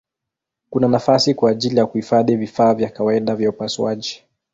Kuna nafasi kwa ajili ya kuhifadhi vifaa vya kawaida vya upasuaji.